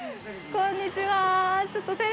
こんにちは。